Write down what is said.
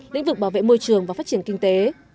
lĩnh vực bảo vệ môi trường và phát triển kinh tế